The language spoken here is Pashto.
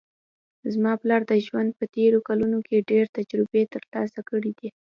زما پلار د ژوند په تېرو کلونو کې ډېر تجربې ترلاسه کړې ده